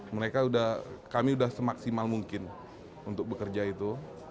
mereka udah kami udah semaksimal mungkin untuk bekerja itu